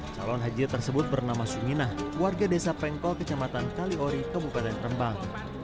calon haji tersebut bernama suminah warga desa pengkol kecamatan kaliori kabupaten rembang